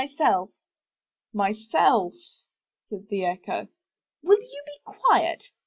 '^Myself," said the Echo. Will you be quiet?"